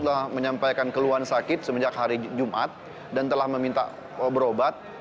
sudah menyampaikan keluhan sakit semenjak hari jumat dan telah meminta berobat